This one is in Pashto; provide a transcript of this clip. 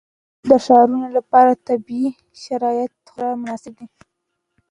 د ښارونو لپاره طبیعي شرایط خورا مناسب دي.